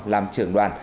làm trưởng đoàn